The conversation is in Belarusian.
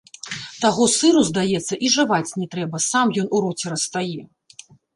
Таго сыру, здаецца, і жаваць не трэба, сам ён у роце растае.